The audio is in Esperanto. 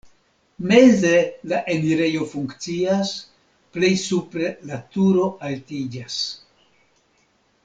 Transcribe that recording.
Meze la enirejo funkcias, plej supre la turo altiĝas.